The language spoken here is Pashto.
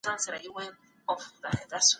د خاوند او ميرمني سره يو ځای کيدلو اړوند لارښووني.